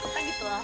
makasih ya bal